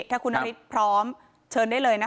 ถ้าคุณนฤทธิ์พร้อมเชิญได้เลยนะคะ